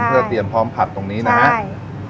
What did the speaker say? เพื่อเตรียมพร้อมผัดตรงนี้นะครับ